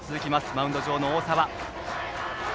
マウンド上の大沢。